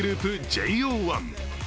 ＪＯ１。